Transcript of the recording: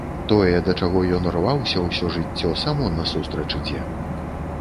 Тое, да чаго ён рваўся ўсё жыццё, само насустрач ідзе.